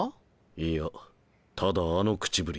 いやただあの口ぶり